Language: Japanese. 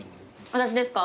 私ですか？